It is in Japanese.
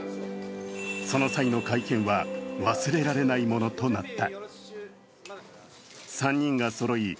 その際の会見は忘れられないものとなった。